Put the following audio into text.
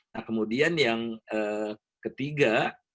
nah kemudian yang ketiga